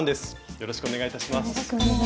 よろしくお願いします。